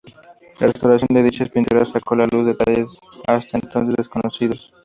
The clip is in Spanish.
La restauración de dichas pinturas sacó a la luz detalles hasta entonces desconocidos.